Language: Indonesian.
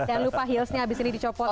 jangan lupa heelsnya abis ini dicopot ya